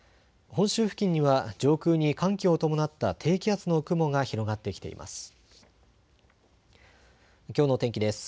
本州付近には上空に寒気を伴った低気圧の雲が広がってきています。